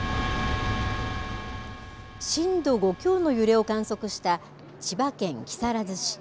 震度５強の揺れを観測した千葉県木更津市。